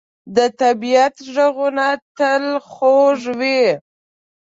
د طبیعت ږغونه تل خوږ وي.